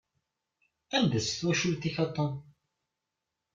Anda-tt twacult-ik a Tom?